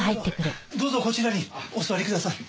どうぞどうぞこちらにお座りください。